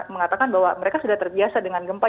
mengatakan bahwa mereka sudah terbiasa dengan gempa